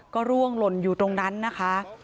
ก็ร่วงหล่นอยู่ตรงนั้นนะคะ